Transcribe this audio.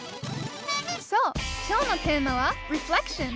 そうきょうのテーマはリフレクション。